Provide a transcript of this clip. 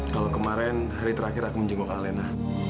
kalau kemarin hari terakhir aku menjenguk alena